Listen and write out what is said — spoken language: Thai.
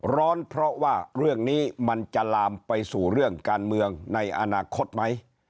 ร้อนเพราะว่าเรื่องนี้มันจะลามไปสู่เรื่องการเมืองในอนาคตไหม